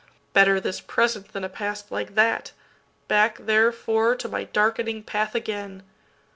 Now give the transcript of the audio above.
Better this present than a past like that; Back therefore to my darkening path again!